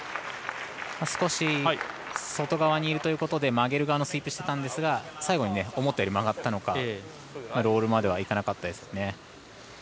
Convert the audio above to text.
少し外側にいるということで曲げる側のスイープしていたんですが最後に、思ったより曲がったのかロールまではいかなかったです。